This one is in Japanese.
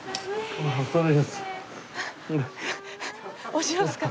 押しますか？